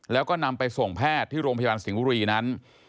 แล้วก็นำไปส่งแพทย์ที่โรงพยาบาลสิงห์บุรีนั้น